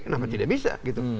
kenapa tidak bisa